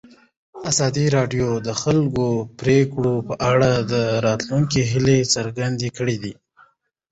ازادي راډیو د د ځنګلونو پرېکول په اړه د راتلونکي هیلې څرګندې کړې.